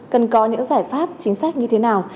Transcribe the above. cần có những giải pháp chính sách như thế nào